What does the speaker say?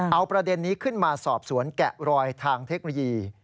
เอาประเด็นนี้ขึ้นมาสอบสวนแกะรอยทางเทคโนโลยี